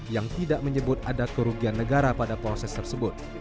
yang tidak menyebut ada kerugian negara pada proses tersebut